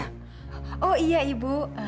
maksud ibu artinya saskia sudah ada di rumahnya